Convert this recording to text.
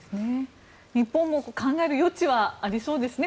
日本も考える余地はありそうですね。